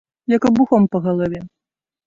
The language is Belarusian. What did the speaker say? Як абухом па галаве.